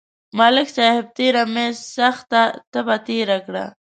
ملک صاحب تېره میاشت سخته تبه تېره کړه